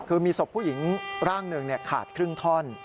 คือมีศพผู้หญิงร่างหนึ่งขาดครึ่งท่อน